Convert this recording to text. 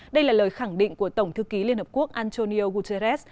đây là lời khẳng định của tổng thư ký liên hợp quốc antonio guterres